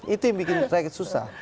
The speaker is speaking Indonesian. itu yang bikin rakyat susah